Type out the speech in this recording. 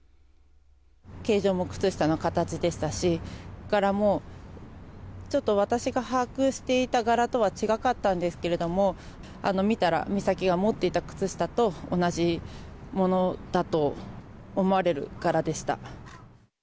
形状も靴下の形でしたし、柄も、ちょっと私が把握していた柄とは違かったんですけれども、見たら、美咲が持っていた靴下と同じものだと思われる柄でした。